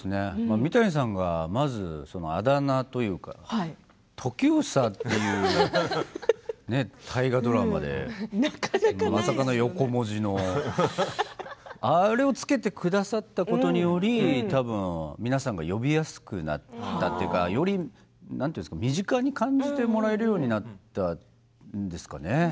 三谷さんがあだ名というかトキューサしたというまさかの横文字のあれをつけてくださったことでより皆さんが呼びやすくなったというかより身近に感じてもらえるようになったんですかね。